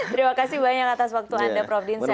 terima kasih banyak atas waktu anda prof dinson